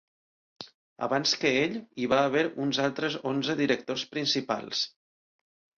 Abans que ell, hi va haver uns altres onze directors principals.